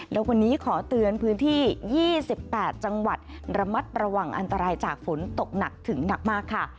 และวันนี้ขอเตือนพื้นที่๒๘จังหวัดระมัดระวังอันตรายจากฝนตกหนักถึงหนักมากค่ะ